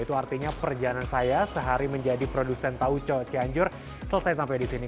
itu artinya perjalanan saya sehari menjadi produsen tauco cianjur selesai sampai di sini